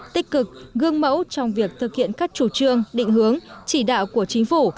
tích cực gương mẫu trong việc thực hiện các chủ trương định hướng chỉ đạo của chính phủ